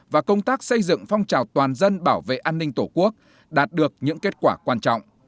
và công tác xây dựng phong trào toàn dân bảo vệ an ninh tổ quốc đạt được những kết quả quan trọng